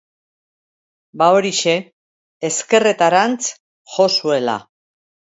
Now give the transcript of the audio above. Ba horixe, ezkerretarantz jo zuela.